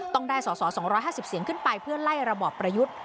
ต้องได้สอสอ๒๕๐เสียงขึ้นไปเพื่อไล่ระบอบประยุทธ์